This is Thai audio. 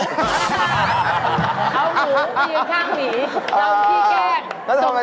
ถ้าตอบผิดคุณต้องมาอยู่กับ๓คน๓วัน